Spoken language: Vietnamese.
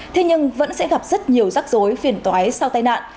thế nhưng vẫn sẽ gặp rất nhiều rắc rối phiền toáy sau tai nạn